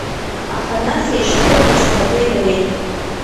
Аха нас еишьцылоит уцәаҳақәеи дареи.